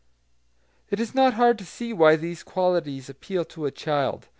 It is not hard to see why these qualities appeal to a child.